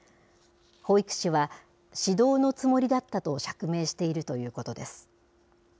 保育士は、指導のつもりだったと釈明しているということです。